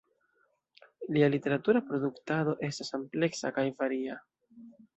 Lia literatura produktado estas ampleksa kaj varia.